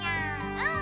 うん。